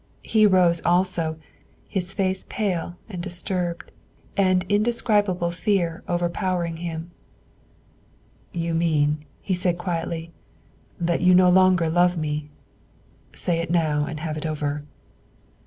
He rose also, his face pale and disturbed, and indescribable fear overpowering him. "You mean," he said quietly, "that you no longer love me, say it now and have it over."